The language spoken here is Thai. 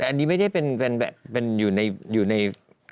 อันนี้ไม่ใช่เป็นแบบอยู่ใน